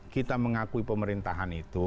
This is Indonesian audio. kita mengakui pemerintahan itu